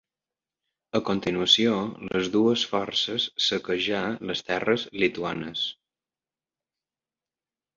A continuació les dues forces saquejar les terres lituanes.